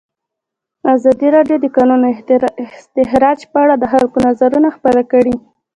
ازادي راډیو د د کانونو استخراج په اړه د خلکو نظرونه خپاره کړي.